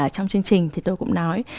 trong chương trình thì tôi cũng nói